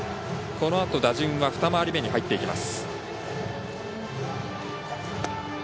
このあと打順は２回り目に入っていきます。